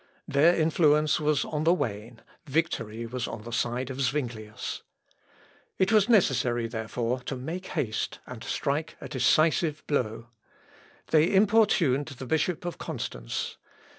Their influence was on the wane. Victory was on the side of Zuinglius. It was necessary, therefore, to make haste and strike a decisive blow. They importuned the Bishop of Constance.